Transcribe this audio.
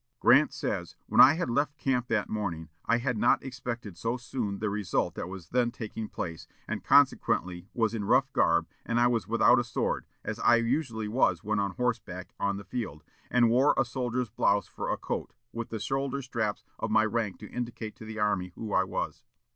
Grant says, "When I had left camp that morning, I had not expected so soon the result that was then taking place, and consequently was in rough garb, and I was without a sword, as I usually was when on horseback on the field, and wore a soldier's blouse for a coat, with the shoulder straps of my rank to indicate to the army who I was.